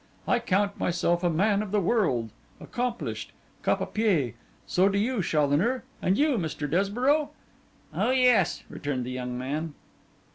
I count myself a man of the world, accomplished, cap à pie. So do you, Challoner. And you, Mr. Desborough?' 'Oh yes,' returned the young man.